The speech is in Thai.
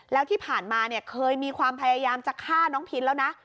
แล้วที่ผ่านมาเนี่ยเคยมีความพยายามจะฆ่าน้องพินแล้วนะ